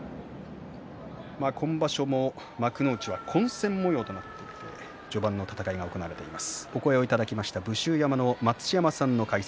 今場所も幕内は混戦もようとなっていて序盤の戦いが行われています。